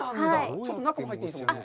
ちょっと中も入っていいですか？